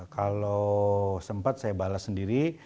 kalau sempat saya balas sendiri